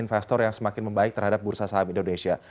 investor yang semakin membaik terhadap bursa saham indonesia